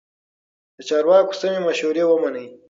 د چارواکو سمې مشورې ومنئ.